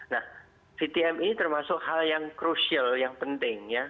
nah ctm ini termasuk hal yang crucial yang penting ya